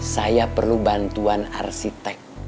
saya perlu bantuan arsitek